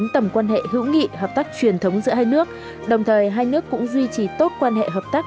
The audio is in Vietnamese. tầm quan hệ hữu nghị hợp tác truyền thống giữa hai nước đồng thời hai nước cũng duy trì tốt quan hệ hợp tác